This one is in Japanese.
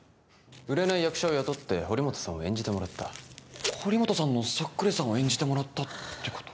売れない役者を雇って堀本さんを演じてもらった堀本さんのそっくりさんを演じてもらったってこと？